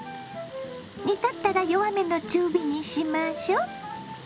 煮立ったら弱めの中火にしましょ。